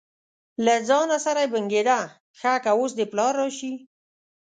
له ځانه سره یې بنګېده: ښه که اوس دې پلار راشي.